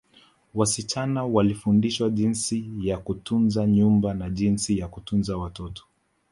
Wasichana walifundishwa jinsi ya kutunza nyumba na jinsi ya kutunza watoto